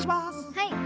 はい！